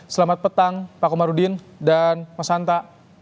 selamat petang pak komarudin dan mas hanta